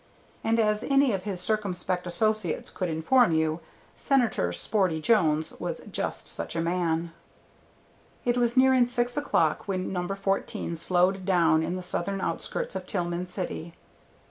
And as any of his circumspect associates could inform you, Senator Sporty Jones was just such a man. It was nearing six o'clock when No. 14 slowed down in the southern outskirts of Tillman City.